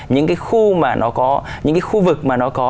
những cái khu vực mà nó có